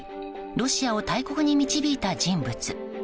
ロシアを大国に導いた人物。